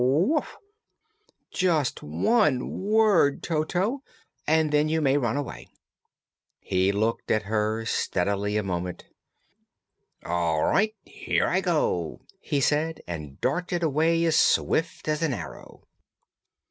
"Woof!" "Just one word, Toto and then you may run away." He looked at her steadily a moment. "All right. Here I go!" he said, and darted away as swift as an arrow.